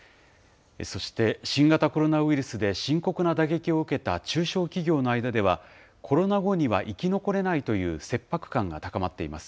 そして、新型コロナウイルスで深刻な打撃を受けた中小企業の間では、コロナ後には生き残れないという切迫感が高まっています。